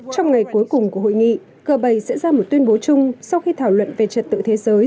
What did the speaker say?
trong ngày cuối cùng của hội nghị g bảy sẽ ra một tuyên bố chung sau khi thảo luận về trật tự thế giới